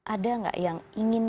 ada gak yang ingin